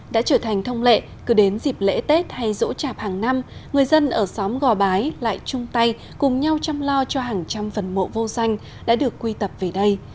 đã trở thành thông lệ cứ đến dịp lễ tết hay rỗ chạp hàng năm người dân ở xóm gò bái lại chung tay cùng nhau chăm lo cho hàng trăm phần mộ vô danh đã được quy tập về đây